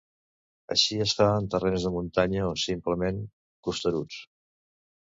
Això es fa en terrenys de muntanya o simplement costeruts.